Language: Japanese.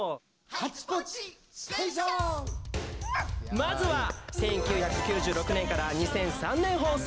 まずは１９９６年から２００３年放送。